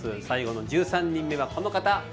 最後の１３人目はこの方。